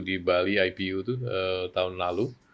di bali ipu itu tahun lalu